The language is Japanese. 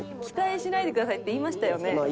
期待しないでくださいって言いましたよね？